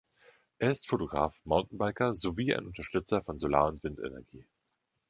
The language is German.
Er ist Fotograf, Mountainbiker sowie ein Unterstützer von Solar- und Windenergie.